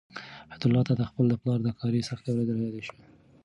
حیات الله ته د خپل پلار د کاري سختۍ ورځې رایادې شوې.